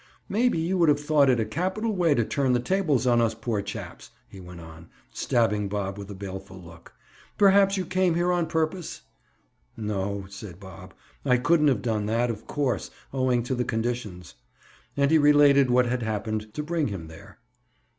"Maybe you would have thought it a capital way to turn the tables on us poor chaps?" he went on, stabbing Bob with a baleful look. "Perhaps you came here on purpose?" "No," said Bob, "I couldn't have done that, of course, owing to the conditions." And he related what had happened to bring him there.